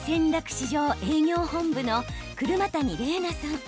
市場営業本部の車谷莉那さん。